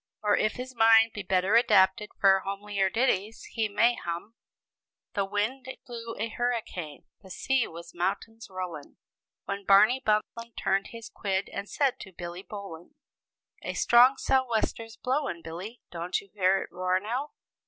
Or if his mind be better adapted for homelier ditties, he may hum: "The wind it blew a hurricane, the sea was mountains rollin', When Barney Buntlin' turned his quid, and said to Billy Bowlin': 'A strong sou'wester's blowin', Billy; don't you hear it roar now?